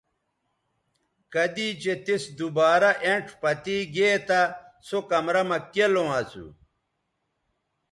کدی چہء تِس دوبارہ اینڇ پتے گے تہ سو کمرہ مہ کیلوں اسو